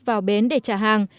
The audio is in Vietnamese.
vào bến để trả hàng